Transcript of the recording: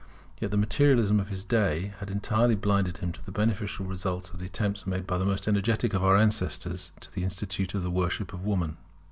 Yet the materialism of his day had entirely blinded him to the beneficial results of the attempts made by the most energetic of our ancestors to institute the Worship of Woman.